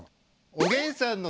「おげんさんの」。